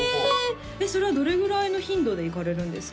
それはどれぐらいの頻度で行かれるんですか？